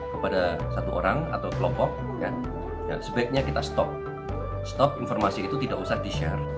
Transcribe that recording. kepada satu orang atau kelompok dan sebaiknya kita stop stop informasi itu tidak usah di share